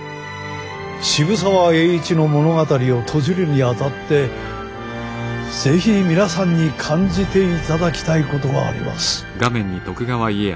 渋沢栄一の物語を閉じるにあたって是非皆さんに感じていただきたいことがあります。